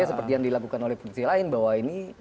seperti yang dilakukan oleh politisi lain bahwa ini